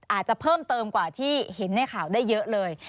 อาจจะเพิ่มเติมกว่าที่เห็นในข่าวได้เยอะเลย